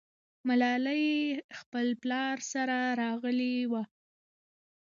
ملالۍ خپل پلار سره راغلې وه.